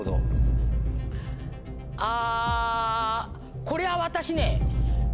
あこれは私ね。